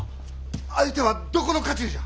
相手はどこの家中じゃ！